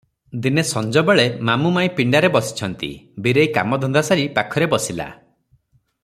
ଦିନେ ସଞ୍ଜବେଳେ ମାମୁ ମାଇଁ ପିଣ୍ଡାରେ ବସିଛନ୍ତି, ବୀରେଇ କାମ ଧନ୍ଦା ସାରି ପାଖରେ ବସିଲା ।